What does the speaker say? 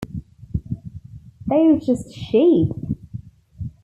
They're just sheep.